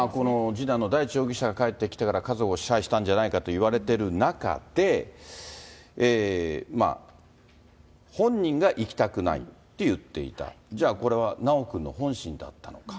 次男の大地容疑者が帰ってきてから、家族を支配したんじゃないかといわれている中で、本人が行きたくないって言っていた、じゃあ、これは修くんの本心だったのか。